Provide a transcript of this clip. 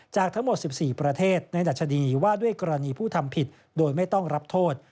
จากทั้งหมด๑๔ประเทศในดัชนีว่าด้วยกรณีผู้ทำผิดโดยไม่ต้องรับโทษ